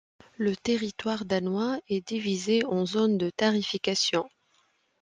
Le territoire danois est divisée en zones de tarification.